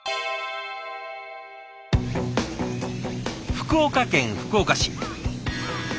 福岡県福岡市。